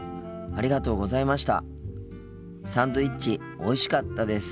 ありがとうございます。